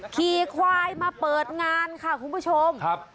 ขี่ควายมาเปิดงานค่ะคุณผู้ชมครับ